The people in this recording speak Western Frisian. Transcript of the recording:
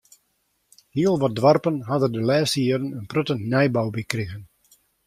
Hiel wat doarpen ha der de lêste jierren in protte nijbou by krige.